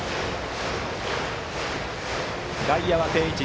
外野は定位置。